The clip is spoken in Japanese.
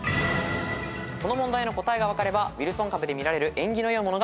この問題の答えが分かればウィルソン株で見られる縁起の良いものが分かるはずです。